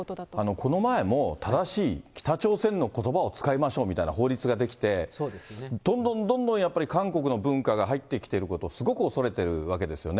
この前も正しい北朝鮮のことばを使いましょうみたいな法律が出来て、どんどんどんどんやっぱり韓国の文化が入ってきていることをすごく恐れてるわけですよね。